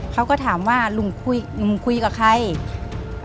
เขาก็ถามว่าลุงคุยกับใคร